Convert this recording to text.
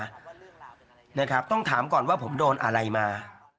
เราต้องถามก่อนว่าผมโดนอะไรมา